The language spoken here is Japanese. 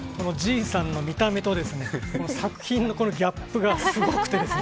Ｇ３の見た目と作品のギャップがすごくて。